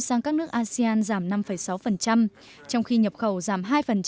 sang các nước asean giảm năm sáu trong khi nhập khẩu giảm hai